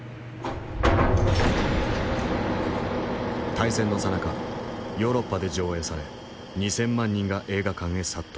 大戦のさなかヨーロッパで上映され２，０００万人が映画館へ殺到。